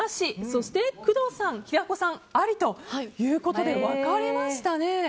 そして工藤さん、平子さんありということで分かれましたね。